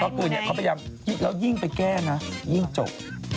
ยังตอนคือเขาพยายามแล้วยิ่งไปแก้นะยิ่งจบ